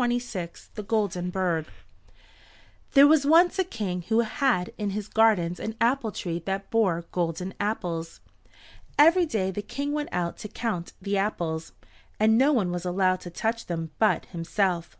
THE GOLDEN BIRD There was once a King who had in his gardens an apple tree that bore golden apples. Every day the King went out to count the apples, and no one was allowed to touch them but himself.